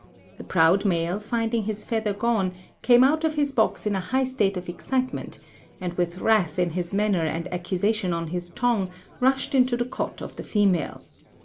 The proud male, finding his feather gone, came out of his box in a high state of excitement, and with wrath in his manner and accusation on his tongue, rushed into the cot of the female.